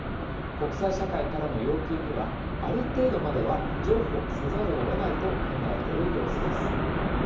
国際社会からの要求にはある程度までは譲歩せざるをえないと考えている様子です。